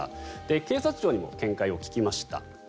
警察庁にも見解を聞きました。